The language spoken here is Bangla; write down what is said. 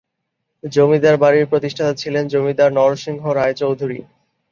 জমিদার বাড়ির প্রতিষ্ঠাতা ছিলেন জমিদার নরসিংহ রায় চৌধুরী।